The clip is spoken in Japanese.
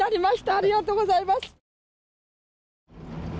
ありがとうございます！